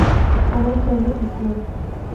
আমার ধর্ম ইসলাম।